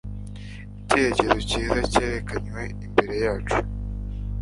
Icyerekezo cyiza cyerekanwe imbere yacu.